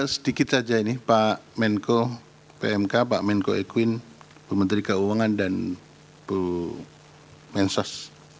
sedikit saja ini pak menko pmk pak menko ekwin bu menteri keuangan dan bu mensos